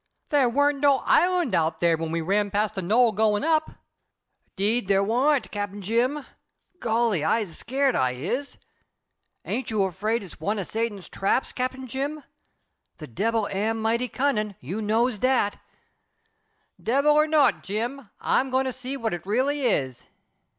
There warn't no island out there when we run past the Knoll going up." "'Deed there warn't, Cap. Jim. Golly, I'se scared, I is. Ain't you 'fraid it's one of Satan's traps, Cap. Jim? The debbil am mighty cunnin', you knows dat." "Devil or not, John, I'm going to see what it really is."